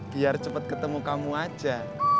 biar cepat ketemu kamu aja